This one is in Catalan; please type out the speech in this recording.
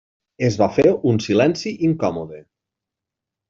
Es va fer un silenci incòmode.